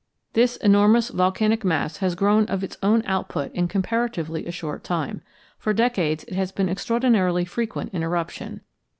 This enormous volcanic mass has grown of its own output in comparatively a short time. For many decades it has been extraordinarily frequent in eruption.